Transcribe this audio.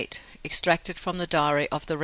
EXTRACTED FROM THE DIARY OF THE REV.